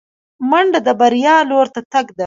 منډه د بریا لور ته تګ دی